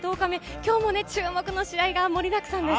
今日も注目の試合が盛りだくさんです。